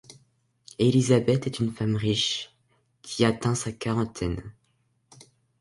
Elisabeth est une femme riche qui atteint sa quarantaine.